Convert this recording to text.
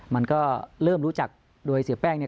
มันก็เริ่มรู้จักโดยเสียแป้งเนี่ย